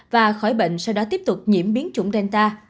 sau đó khỏi bệnh sau đó tiếp tục nhiễm biến chủng delta